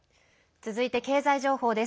続いて経済情報です。